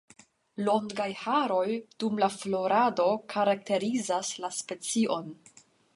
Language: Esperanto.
Longaj haroj dum la florado karakterizas la specion.